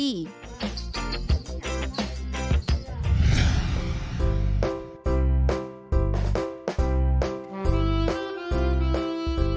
จริง